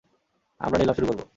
আমরা নিলাম শুরু করব।